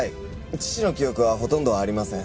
父の記憶はほとんどありません。